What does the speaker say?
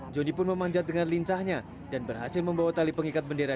joni pun memanjat dengan lincahnya dan berhasil membawa tali pengikat bendera